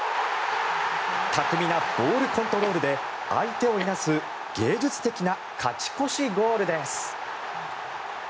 巧みなボールコントロールで相手をいなす芸術的な勝ち越しゴールです。